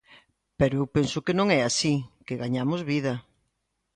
Pero eu penso que non é así, que gañamos vida.